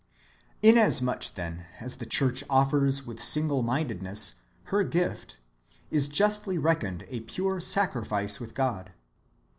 Inasmuch, then, as the church offers with single minded ness, her gift is justly reckoned a pure sacrifice with God.